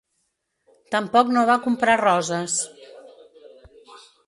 Tampoc no va comprar roses.